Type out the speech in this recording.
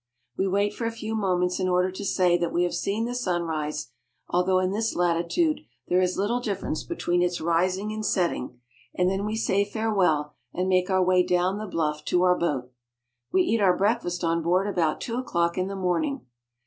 We wait for a few moments in order to say that we have seen the sun rise, although in this lati tude there is little difference between its rising and setting, and then we say farewell, and make our way down the bluff to our boat. We eat our breakfast on board about two o'clock in the morning.